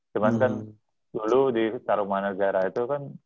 cuman kan dulu di tarung managara itu kan